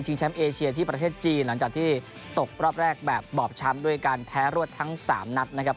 แชมป์เอเชียที่ประเทศจีนหลังจากที่ตกรอบแรกแบบบอบช้ำด้วยการแพ้รวดทั้ง๓นัดนะครับ